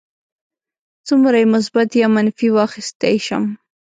څومره یې مثبت یا منفي واخیستی شم.